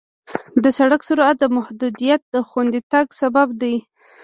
د سړک سرعت محدودیت د خوندي تګ سبب دی.